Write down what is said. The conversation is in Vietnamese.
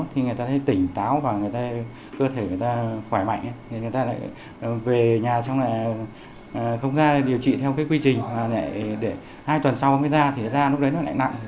theo quy trình hai tuần sau mới ra thì ra lúc đấy nó lại nặng